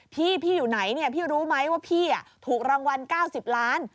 พี่พี่อยู่ไหนพี่รู้ไหมว่าพี่ถูกรางวัล๙๐ล้าน